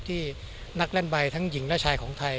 ที่นักเล่นใบทั้งหญิงและชายของไทย